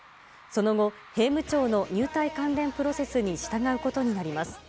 その後、兵務庁の入隊関連プロセスに従うことになります。